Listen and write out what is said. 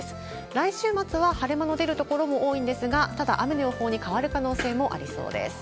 来週末は晴れ間の出る所も多いんですが、ただ、雨の予報に変わる可能性もありそうです。